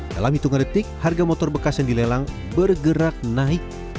dalam hitungan detik harga motor bekas yang dilelang bergerak naik